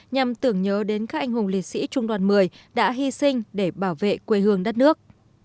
nhằm tưởng nhớ đến các anh hùng liệt sĩ trung đoàn một mươi đã hy sinh để bảo vệ quê hương đất nước